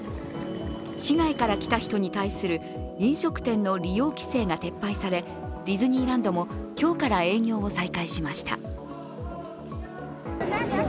市外から来た人に対する飲食店の利用規制が撤廃され、ディズニーランドも今日から営業を再開しました。